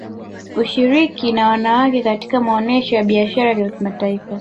Ushiriki wa wanawake katika maonesho ya Biashara ya kimataifa